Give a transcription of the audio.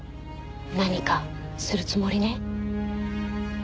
何かするつもりね？